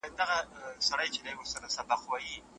افغانانو د هغوی د تګ لپاره سمبالښت برابر کړ.